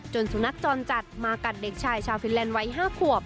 สุนัขจรจัดมากัดเด็กชายชาวฟินแลนด์วัย๕ขวบ